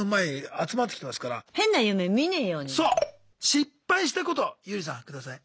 失敗したことユーリさん下さい。